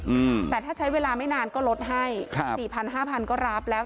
อืมแต่ถ้าใช้เวลาไม่นานก็ลดให้ครับสี่พันห้าพันก็รับแล้ว